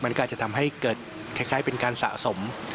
มันก็อาจจะทำให้เกิดคล้ายเป็นการสะสม